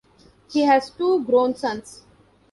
He has two grown sons.